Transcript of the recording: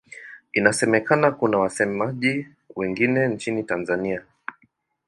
Inasemekana kuna wasemaji wengine nchini Tanzania.